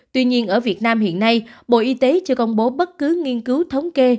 tuy nhiên ở việt nam hiện nay bộ y tế chưa công bố bất cứ nghiên cứu thống kê